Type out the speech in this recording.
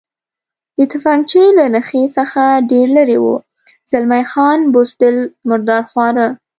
د تفنګچې له نښې څخه ډېر لرې و، زلمی خان: بزدل، مرادرخواره.